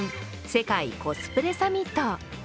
世界コスプレサミット。